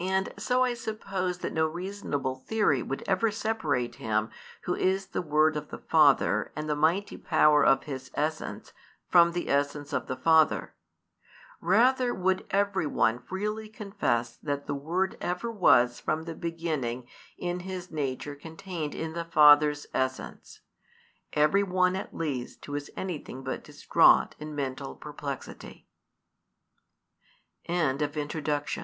And so I suppose that no reasonable theory would ever separate Him Who is the Word of the Father and the mighty Power of His essence, from the essence of the Father. Eather would every one freely confess that the Word ever was from the beginning in His nature contained in the Father's essence, every one at least who is anything but distraught in mental perplexity. |264 CHAPTER I.